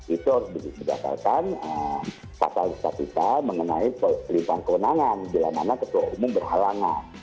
itu harus berdasarkan statuta mengenai pelimpahan kewenangan di mana ketua umum berhalangan